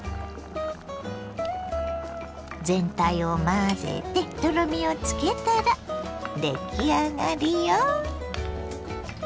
全体を混ぜてとろみをつけたらでき上がりよ。